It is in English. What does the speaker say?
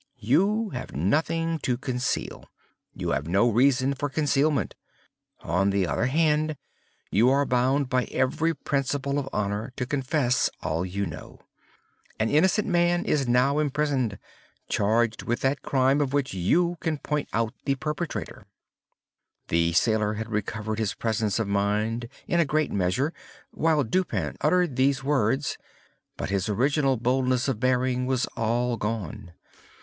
You have nothing to conceal. You have no reason for concealment. On the other hand, you are bound by every principle of honor to confess all you know. An innocent man is now imprisoned, charged with that crime of which you can point out the perpetrator." The sailor had recovered his presence of mind, in a great measure, while Dupin uttered these words; but his original boldness of bearing was all gone.